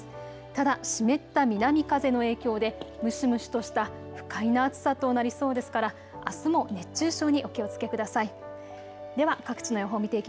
ただ湿った南風の影響で蒸し蒸しとした不快な暑さとなりそうですからあすも熱中症にお気をつけください。